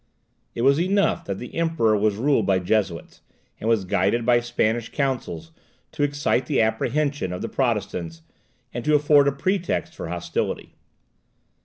It was enough that the Emperor was ruled by Jesuits, and was guided by Spanish counsels, to excite the apprehension of the Protestants, and to afford a pretext for hostility.